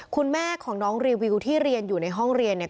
คุณแม่ของน้องรีวิวที่เรียนอยู่ในห้องเรียนเนี่ย